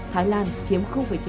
thái lan chiếm chín